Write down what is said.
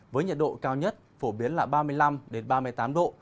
với nhiệt độ cao nhất phổ biến là ba mươi năm ba mươi tám độ